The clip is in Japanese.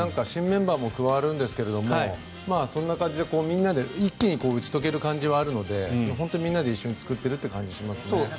新メンバーが加わるんですがそんな感じでみんなで一気に打ち解ける感じはあるので本当にみんなで一緒に作っている感じがありますよね。